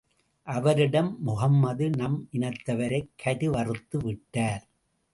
அவரிடம், முஹம்மது நம் இனத்தவரைக் கருவறுத்து விட்டார்.